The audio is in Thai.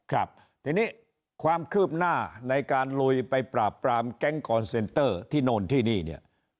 ครับทีนี้ความคืบหน้าในการลุยไปปราบปรามแก๊งคอนเซนเตอร์ที่โน่นที่นี่เนี่ย